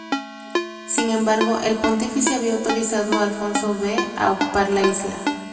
Sin embargo, el Pontífice había autorizado a Afonso V a ocupar la isla.